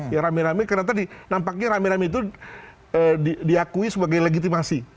ya rame rame karena tadi nampaknya rame rame itu diakui sebagai legitimasi